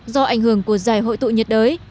do ảnh hưởng của giải hội tụ nhiệt đới